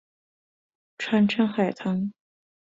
川滇海棠